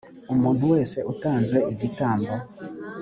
umuntu wese utanze igitambo